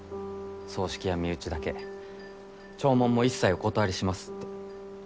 葬式は身内だけ弔問も一切お断りしますって。